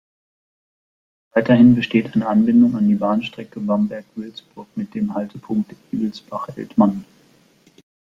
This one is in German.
Weiterhin besteht eine Anbindung an die Bahnstrecke Bamberg–Würzburg mit dem Haltepunkt Ebelsbach-Eltmann.